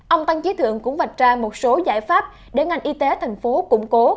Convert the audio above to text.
ông tăng trí thượng cũng vạch ra một số giải pháp để ngành y tế thành phố củng cố